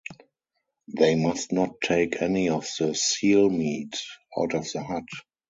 They must not take any of the seal-meat out of the hut.